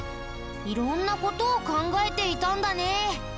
色んな事を考えていたんだね。